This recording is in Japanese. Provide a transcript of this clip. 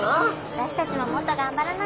わたしたちももっと頑張らないと。